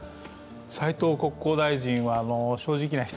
斉藤国交大臣は正直な人